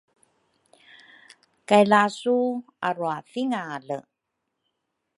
kay lasu arwathingale.